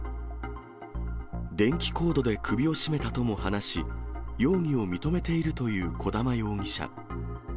電気コードで首を絞めたとも話し、容疑を認めているという小玉容疑者。